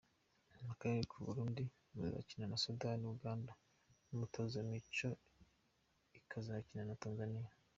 Mu karere u Burundi buzakina na Sudani, Uganda y’umutoza Micho ikazakina na Tanzania.